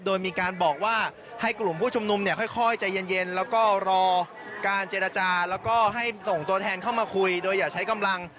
โดยมีการบอกว่าให้กลุ่มผู้ชุมนุมเนี่ยค่อยใจเย็นแล้วก็รอการเจรจาแล้วก็ให้ส่งตัวแทนเข้ามาคุยโดยอย่าใช้กำลัง